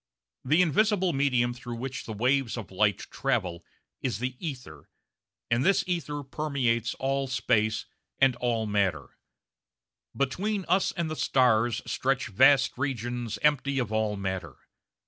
The invisible medium through which the waves of light travel is the ether, and this ether permeates all space and all matter. Between us and the stars stretch vast regions empty of all matter.